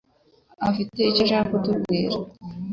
afite icyo ashaka kutubwira.